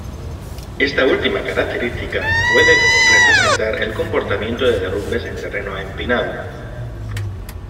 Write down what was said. Esta última característica puede representar el comportamiento de derrumbes en terreno empinado.